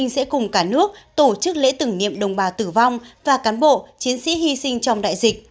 tp hcm sẽ cùng cả nước tổ chức lễ tử nghiệm đồng bào tử vong và cán bộ chiến sĩ hy sinh trong đại dịch